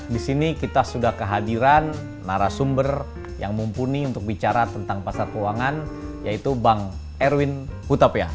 di sini kita sudah kehadiran narasumber yang mumpuni untuk bicara tentang pasar keuangan yaitu bang erwin hutap ya